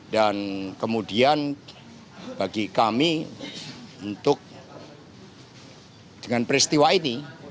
dan kemudian bagi kami untuk dengan peristiwa ini